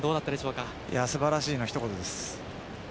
素晴らしいのひと言です。